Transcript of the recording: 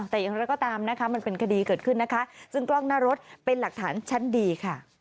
แต่อย่างไรก็ตามนะคะมันเป็นคดีเกิดขึ้นนะคะซึ่งกล้องหน้ารถเป็นหลักฐานชั้นดีค่ะ